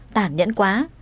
tản nhẫn quá